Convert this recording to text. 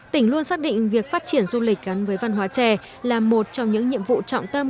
tỉnh luôn xác định việc phát triển du lịch gắn với văn hóa trè là một trong những nhiệm vụ trọng tâm